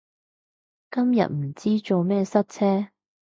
今日唔知做咩塞車